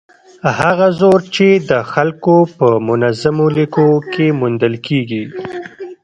هغه زور چې د خلکو په منظمو لیکو کې موندل کېږي.